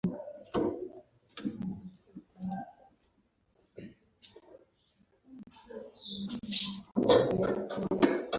umwuga ntashobora kugira icyo amukoraho uwo